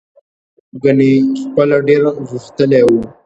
ګنې خپله ډېر غښتلی و.